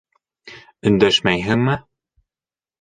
Өндәшмәйһеңме?